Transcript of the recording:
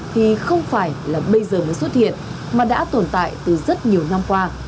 thì không phải là bây giờ mới xuất hiện mà đã tồn tại từ rất nhiều năm qua